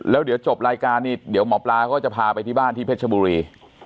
แล้วเดี๋ยวจบรายการนี้เดี๋ยวหมอปลาก็จะพาไปที่บ้านที่เพชรบุรี